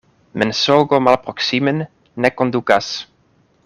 Mensogo malproksimen ne kondukas.